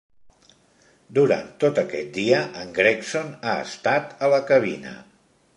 Durant tot aquest dia en Gregson ha estat a la cabina.